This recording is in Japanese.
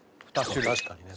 確かにね